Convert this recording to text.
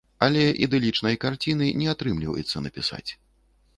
Але ідылічнай карціны не атрымліваецца напісаць.